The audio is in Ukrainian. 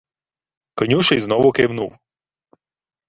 Конюший знову кивнув.